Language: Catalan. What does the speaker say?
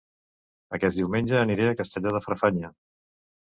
Aquest diumenge aniré a Castelló de Farfanya